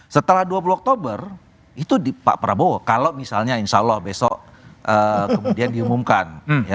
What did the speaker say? setelah dua puluh oktober itu pak prabowo kalau misalnya insya allah besok kemudian diumumkan